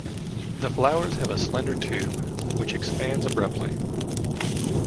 The flowers have a slender tube which expands abruptly.